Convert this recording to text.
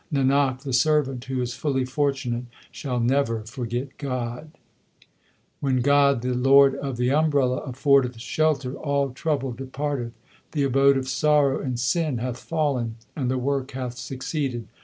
Nanak, the servant who is fully fortunate shall never forget God. 1 Bilawal. LIFE OF GURU ARJAN 15 When God, the Lord of the umbrella, 1 affordeth shelter, all trouble departeth ; The abode of sorrow and sin hath fallen and the work hath succeeded.